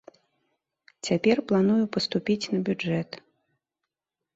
Цяпер планую паступіць на бюджэт.